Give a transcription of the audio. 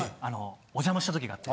お邪魔した時があって。